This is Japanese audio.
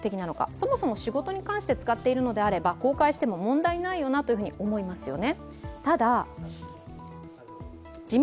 そもそも仕事に関して使っているのであれば公開しても問題ないよなと思いますよね。